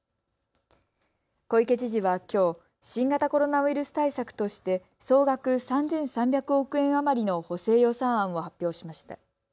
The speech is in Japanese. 小池知事はきょう新型コロナウイルス対策として総額３３００億円余りの補正予算案を発表しました。